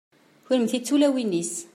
kunemti d tulawin-is